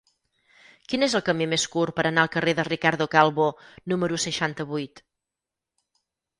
Quin és el camí més curt per anar al carrer de Ricardo Calvo número seixanta-vuit?